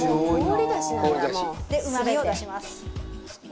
でうまみを出します。